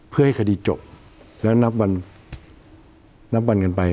เพื่อให้คดีจบแล้วนับวันกันไป